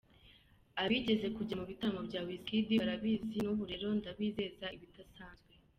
Abigeze kujya mu bitaramo bya Wizkid barabizi, n’ubu rero ndabizeza ibidasanzwe.